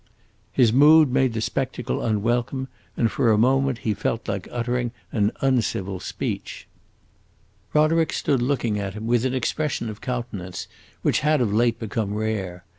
His mood made the spectacle unwelcome, and for a moment he felt like uttering an uncivil speech. Roderick stood looking at him with an expression of countenance which had of late become rare.